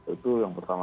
itu yang pertama